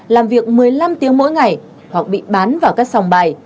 làm việc một mươi năm tiếng mỗi ngày hoặc bị bán vào các sòng bài